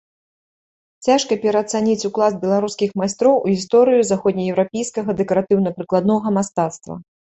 Цяжка пераацаніць уклад беларускіх майстроў у гісторыю заходнееўрапейскага дэкаратыўна-прыкладнога мастацтва.